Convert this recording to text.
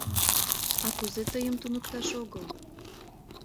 — А кузе тыйым туныкташ огыл?